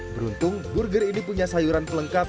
beruntung burger ini punya sayuran pelengkap